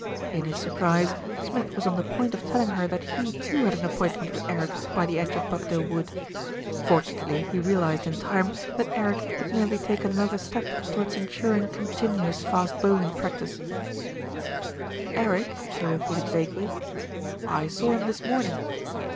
In his surprise, Smith was on the point of telling her that he too had an appointment with Eric by the edge of Buckdale Wood. Fortunately he realised in time that Eric had merely taken another step towards en suring continuous fast bowling practice. 266 THE RETURN OF ALFRED "Eric?" he repeated vaguely. "I saw him this morn ing."